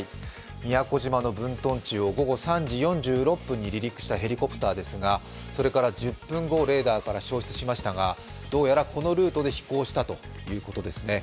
宮古島の分屯地を午後３時４６分に離陸したヘリコプターですが、それから１０分後、レーダーから消失しましたが、どうやらこのルートで飛行したということです。